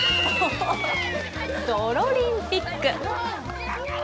どろリンピック。